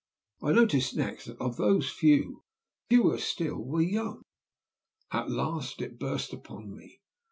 I noticed next that of those few fewer still were young. At last it burst upon me.